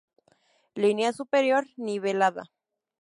Línea superior nivelada.